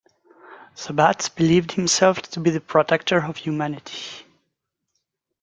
Sabbath believed himself to be the protector of humanity.